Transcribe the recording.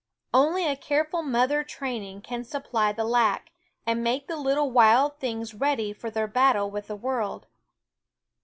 Only a careful mother training can supply the lack, and make the little wild things ready for their battle with the world.